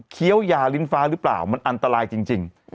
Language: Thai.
ี้ยวยาลิ้นฟ้าหรือเปล่ามันอันตรายจริง